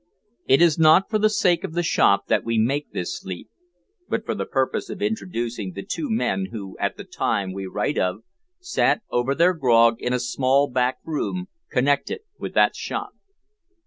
It is not for the sake of the shop that we make this leap, but for the purpose of introducing the two men who, at the time we write of, sat over their grog in a small back room connected with that shop.